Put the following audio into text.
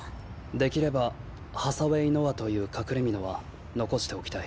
できればハサウェイ・ノアという隠れ蓑は残しておきたい。